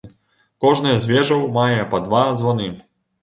Кожная з вежаў мае па два званы.